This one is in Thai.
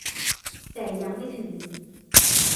แต่ยังไม่ถึง